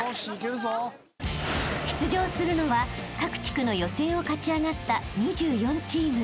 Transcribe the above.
［出場するのは各地区の予選を勝ち上がった２４チーム］